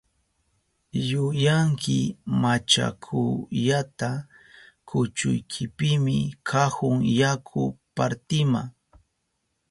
¡Yuyanki machakuyata kuchuykipimi kahun yaku partima!